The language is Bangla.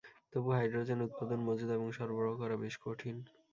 তবে হাইড্রোজেন উৎপাদন, মজুদ এবং সরবরাহ করা বেশ কঠিন।